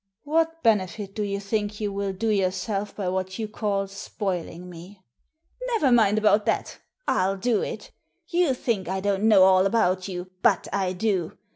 "What benefit do you think you will do yourself by what you call ' spoiling ' me ?" "Never mind about that: FU do it You think I don't know all about you, but I do.